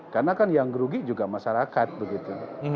karena kan yang dirugikan juga masyarakat begitu